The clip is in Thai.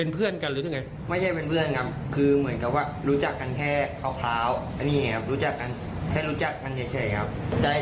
เรื่องเก่าคือเรื่องอะไร